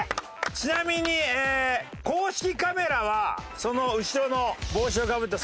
ちなみに公式カメラはその後ろの帽子をかぶった。